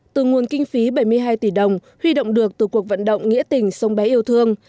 từ nguồn kinh phí bảy mươi hai tỷ đồng huy động được từ cuộc vận động nghĩa tình sông bé yêu thương